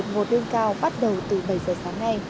một lương cao bắt đầu từ bảy giờ sáng nay